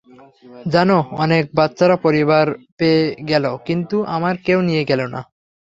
জানো, অনেক বাচ্চারা পরিবার পেয়ে গেল, কিন্তু আমায় কেউ নিয়ে গেল না।